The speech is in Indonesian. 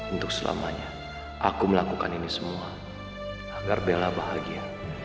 untuk selamanya aku melakukan ini semua agar bella bahagia